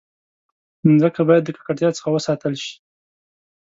مځکه باید د ککړتیا څخه وساتل شي.